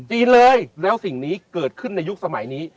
จีนเลยแล้วสิ่งนี้เกิดขึ้นในยุคสมัยนี้